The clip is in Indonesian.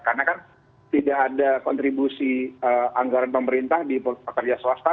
karena kan tidak ada kontribusi anggaran pemerintah di pekerja swasta